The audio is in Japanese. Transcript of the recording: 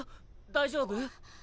大丈夫？